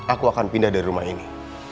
aku akan pindah dari rumah ini